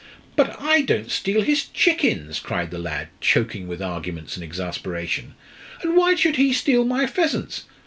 "But I don't steal his chickens!" cried the lad, choking with arguments and exasperation; "and why should he steal my pheasants?